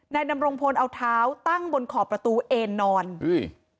ดำรงพลเอาเท้าตั้งบนขอบประตูเอ็นนอนอุ้ย